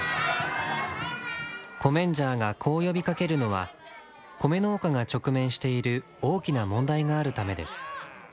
コメンジャーがこう呼びかけるのは米農家が直面している大きな問題があるためです。